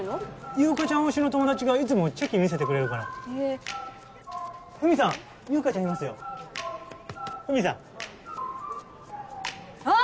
優佳ちゃん推しの友達がいつもチェキ見せてくれるからへぇふみさん優佳ちゃんいますよふみさんあぁ！